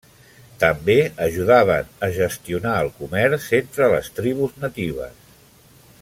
També ajudaven a gestionar el comerç entre les tribus natives.